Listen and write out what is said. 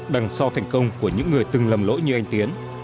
đằng sau thành công của những người từng lầm lỗi như anh tiến